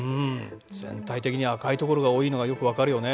全体的に赤いところが多いのがよく分かるよね。